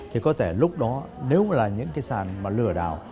thì có thể lúc đó nếu là những cái sản mà lửa đảo